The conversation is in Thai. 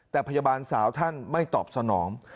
แต่พยาบาลสาวท่านไม่ตอบสนอง